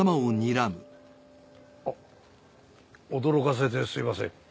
あ驚かせてすみません。